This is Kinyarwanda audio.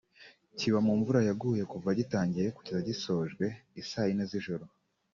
kiba mu mvura yaguye kuva gitangiye kugeza gisojwe isaa Yine z'ijoro